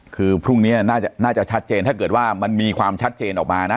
คือพรุ่งนี้น่าจะชัดเจนถ้าเกิดว่ามันมีความชัดเจนออกมานะ